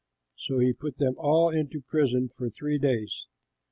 So he put them all into prison for three days.